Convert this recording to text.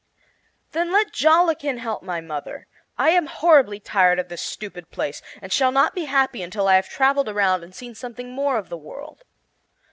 "Then let Jollikin help my mother. I am horribly tired of this stupid place, and shall not be happy until I have traveled around and seen something more of the world."